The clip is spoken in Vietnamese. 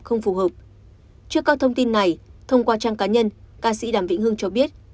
trước các thông tin này thông qua trang cá nhân ca sĩ đàm vĩnh hưng cho biết